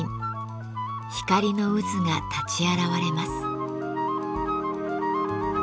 光の渦が立ち現れます。